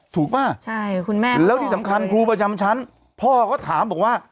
ป่ะใช่คุณแม่แล้วที่สำคัญครูประจำชั้นพ่อก็ถามบอกว่า